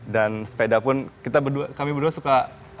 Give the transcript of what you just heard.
sepeda pun kami berdua suka